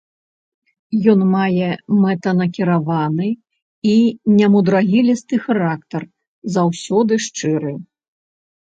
Ён мае мэтанакіраваны і немудрагелісты характар, заўсёды шчыры.